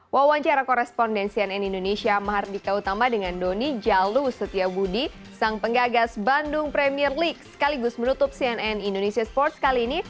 wawancara korespondensi nn indonesia mahardika utama dengan doni jalu setiabudi sang penggagas bandung premier league sekaligus menutup cnn indonesia sports kali ini